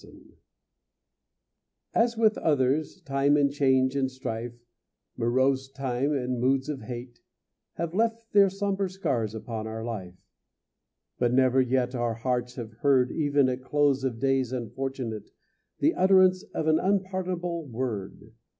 XXV As with others, time and change and strife Morose time and moods of hate Have left their sombre scars upon our life; But never yet our hearts have heard, Even at close of days unfortunate, The utterance of an unpardonable word.